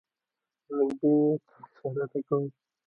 له نږدې يې تل څارنه کوي.